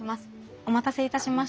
お待たせいたしました。